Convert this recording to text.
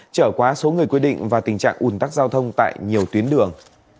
trở quá số người quy định và tình trạng ủn tắc giao thông tại nhiều tuyến đường